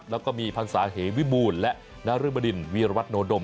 แล้วก็มีพรรษาเหวิบูรณ์และนรบดินวีรวัตโนดม